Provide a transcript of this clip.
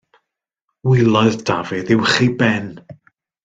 Wylodd Dafydd uwch ei ben.